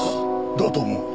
だと思う。